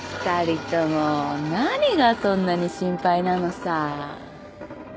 ２人とも何がそんなに心配なのさ？